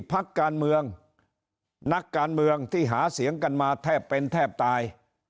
พักการเมืองนักการเมืองที่หาเสียงกันมาแทบเป็นแทบตาย